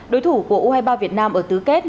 đối thủ của u hai mươi ba việt nam ở tứ kết